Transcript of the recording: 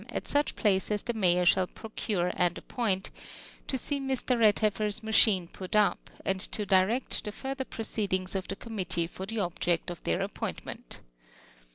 at such place as the Mayor shall procure and appoint, to see Mr. Redhef fer's maclilne put up; and to direct tlic further proceedings of the committee for the object of their apiK)intmeiit.